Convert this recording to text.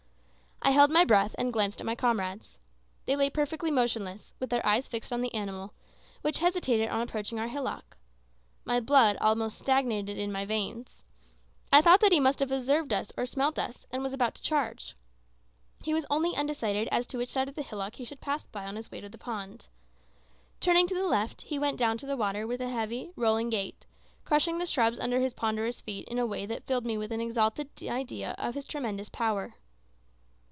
I held my breath and glanced at my comrades. They lay perfectly motionless, with their eyes fixed on the animal, which hesitated on approaching our hillock. My blood almost stagnated in my veins. I thought that he must have observed us or smelt us, and was about to charge. He was only undecided as to which side of the hillock he should pass by on his way to the pond. Turning to the left, he went down to the water with a heavy, rolling gait, crushing the shrubs under his ponderous feet in a way that filled me with an exalted idea of his tremendous power.